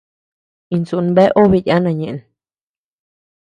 Insú bea obe yana ñeʼen.